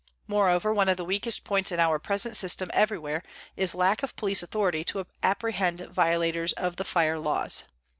Moreover, one of the weakest points in our present system everywhere is lack of police authority to apprehend violators of the fire laws.